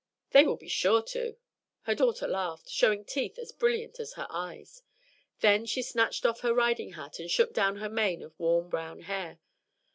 "They will be sure to." Her daughter laughed, showing teeth as brilliant as her eyes. Then she snatched off her riding hat and shook down her mane of warm brown hair.